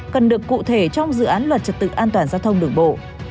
cần được cụ thể trong dự án luật trật tự an toàn giao thông đường bộ